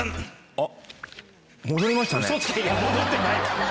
あっ